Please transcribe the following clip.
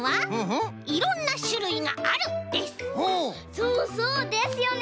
そうそう！ですよね！